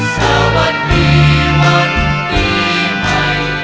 สวัสดีวันนี้ให้เธอ